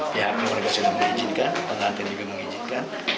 pihak keluarga sudah mengizinkan pengantin juga mengizinkan